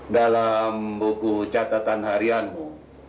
dalam buku catatan harianmu